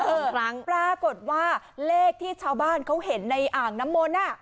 เออปรากฏว่าเลขที่ชาวบ้านเขาเห็นในอ่างน้ำมนอ่ะ